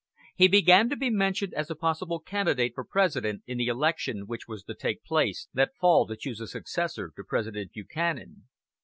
He began to be mentioned as a possible candidate for President in the election which was to take place that fall to choose a successor to President Buchanan.